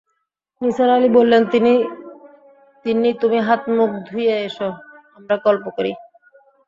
নিসার আলি বললেন, তিন্নি, তুমি হাত-মুখ ধুয়ে এস, আমরা গল্প করি।